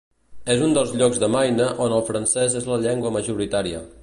És un dels llocs de Maine on el francès és la llengua majoritària.